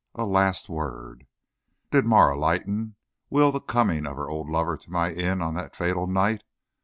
A LAST WORD. Did Marah Leighton will the coming of her old lover to my inn on that fatal night?